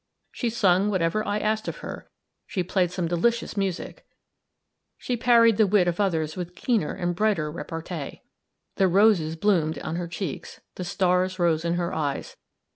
She sung whatever I asked of her; she played some delicious music; she parried the wit of others with keener and brighter repartee; the roses bloomed on her cheeks, the stars rose in her eyes.